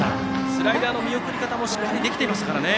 スライダーの見送り方もしっかりできていましたからね。